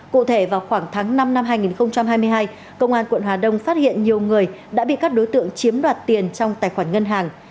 cụ thể vào khoảng tháng năm năm hai nghìn hai mươi hai công an quận hà đông phát hiện nhiều người đã bị các đối tượng chiếm đoạt tiền trong tài khoản ngân hàng